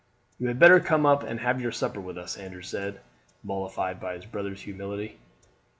"You had better come up and have your supper with us," Andrew said, mollified by his brother's humility.